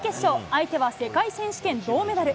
相手は世界選手権銅メダル